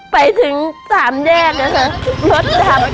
ไปถึงสามแยกนะคะรถดำ